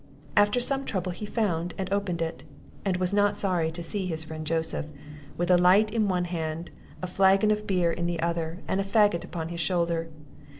After some trouble he found, and opened it; and was not sorry to see his friend Joseph, with a light in one hand, a flagon of beer in the other, and a fagot upon his shoulder.